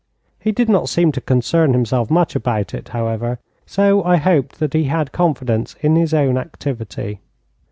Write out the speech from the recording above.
He did not seem to concern himself much about it, however, so I hoped that he had confidence in his own activity.